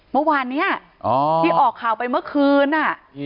เมื่อวานเนี้ยที่ออกข่าวไปเมื่อคืน